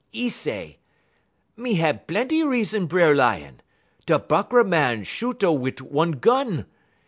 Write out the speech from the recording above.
'E say: "'Me hab plenty reason, B'er Lion. Da Buckra Màn shoot a wit' one gun.